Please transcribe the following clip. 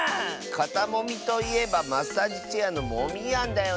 かたもみといえばマッサージチェアのモミヤンだよね。